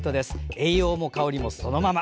栄養も香りもそのまま。